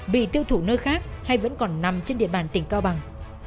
bị tiêu thụ nơi khác hay vẫn còn nằm trên địa bàn tỉnh cao bằng